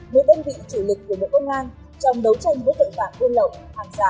một đơn vị chủ lịch của nước âu ngang trong đấu tranh với tội phạm quân lộng hàng giả